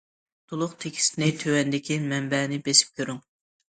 تولۇق تېكىستىنى تۆۋەندىكى مەنبەنى بېسىپ كۆرۈڭ.